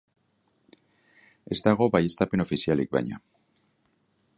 Ez dago baieztapen ofizialik, baina.